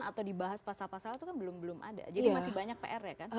atau dibahas pasal pasal itu kan belum belum ada jadi masih banyak pr ya kan